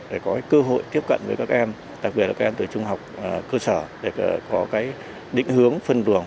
để có cơ hội tiếp cận với các em đặc biệt là các em từ trung học cơ sở để có cái định hướng phân luồng